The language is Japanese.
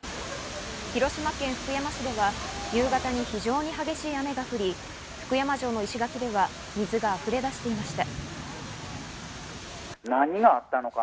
広島県福山市では夕方に非常に激しい雨が降り、福山城の石垣では水が溢れ出していました。